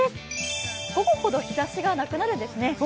午後ほど日ざしがなくなるんですね。